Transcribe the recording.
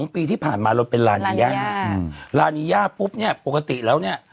ปีที่ผ่านมาเราเป็นลานีย่าลานีย่าปุ๊บเนี่ยปกติแล้วเนี่ย